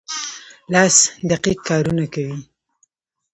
لاس دقیق کارونه کوي.